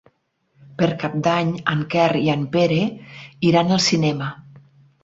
Per Cap d'Any en Quer i en Pere iran al cinema.